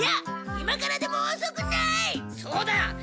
今からでもおそくない！